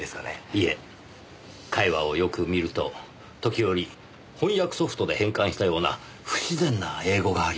いえ会話をよく見ると時折翻訳ソフトで変換したような不自然な英語があります。